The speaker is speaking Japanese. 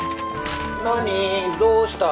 何どうした？